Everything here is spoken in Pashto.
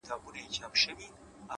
د زړه په كور كي دي بل كور جوړكړی _